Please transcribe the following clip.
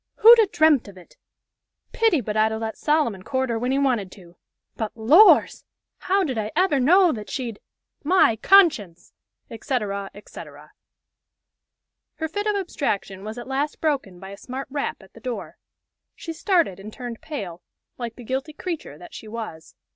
Who'd a dreamt of it! Pity but I'd a let Solomon court her when he wanted to but Lors! how did I ever know that she'd M y conscience!" etc., etc. Her fit of abstraction was at last broken by a smart rap at the door. She started and turned pale, like the guilty creature that she was.